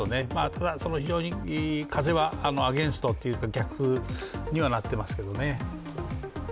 ただ、非常に風はアゲンストというか、逆風にはなっていますけどね。